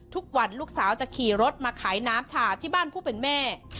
ลูกสาวจะขี่รถมาขายน้ำชาที่บ้านผู้เป็นแม่